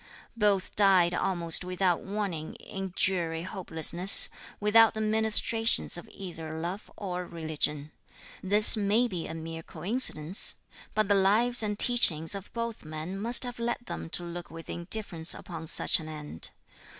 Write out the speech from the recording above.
Both died almost without warning in dreary hopelessness, without the ministrations of either love or religion. This may be a mere coincidence, but the lives and teachings of both men must have led them to look with indifference upon such an end.